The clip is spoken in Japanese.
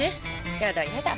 やだやだ。